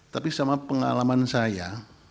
tapi sama pengalaman saya